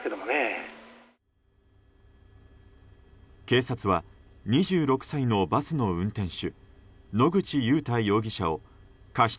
警察は２６歳のバスの運転手野口祐太容疑者を過失